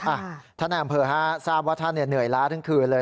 อ่ะท่านนายอำเภอฮะทราบว่าท่านเหนื่อยล้าทั้งคืนเลย